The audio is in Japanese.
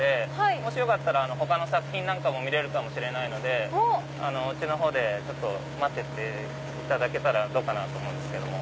もしよかったら他の作品も見れるかもしれないのでうちで待ってていただけたらどうかなと思うんですけど。